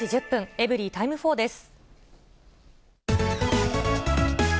エブリィタイム４です。